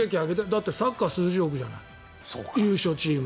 だってサッカーは数十億じゃない優勝チーム。